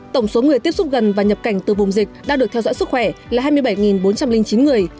tổng số người tiếp xúc gần và nhập cảnh từ vùng dịch đang được theo dõi sức khỏe là hai mươi bảy bốn trăm linh chín người